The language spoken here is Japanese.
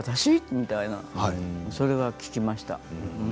みたいなそれは聞きました。